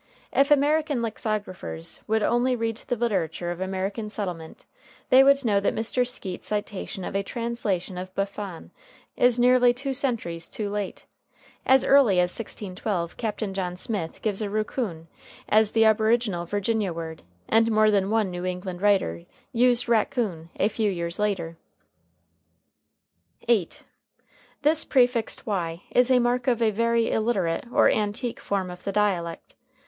If American lexicographers would only read the literature of American settlement they would know that Mr. Skeat's citation of a translation of Buffon is nearly two centuries too late. As early as 1612 Captain John Smith gives aroughcune as the aboriginal Virginia word, and more than one New England writer used rackoon a few years later.] [Footnote 8: This prefixed y is a mark of a very illiterate or antique form of the dialect.